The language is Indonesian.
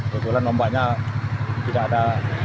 kebetulan lombaknya tidak ada